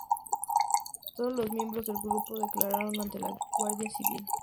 Todos los miembros del grupo declararon ante la Guardia Civil.